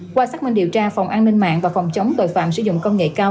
qua xác minh điều tra phòng an ninh mạng và phòng chống tội phạm sử dụng công nghệ cao